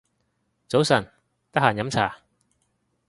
早晨，得閒飲茶